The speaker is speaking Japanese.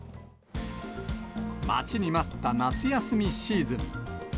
待ちに待った夏休みシーズン。